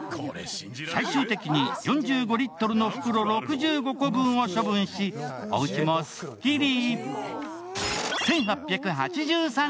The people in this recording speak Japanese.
最終的に４５リットルの袋６５個分を処分し、おうちもスッキリ。